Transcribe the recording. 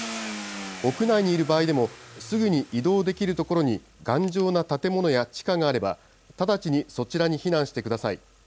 屋内にいる場合でも、すぐに移動できる所に頑丈な建物や地下があれば、直ちにそちらに避難してください。